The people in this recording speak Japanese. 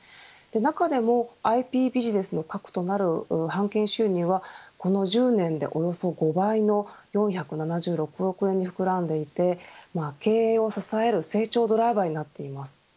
中でもＩＰビジネスの核となる版権収入はこの１０年で、およそ５倍の４７６億円に膨らんでいて経営を支える成長ドライバーになっています。